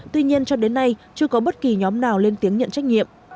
tuy nhiên cho đến nay chưa có bất kỳ nhóm nào lên tiếng nhận trách nhiệm